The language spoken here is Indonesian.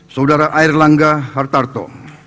saudara air langga hartarto